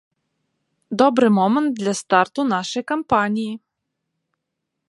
Добры момант для старту нашай кампаніі!